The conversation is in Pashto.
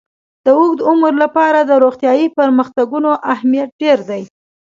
د اوږد عمر لپاره د روغتیايي پرمختګونو اهمیت ډېر دی.